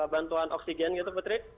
bantuan oksigen gitu putri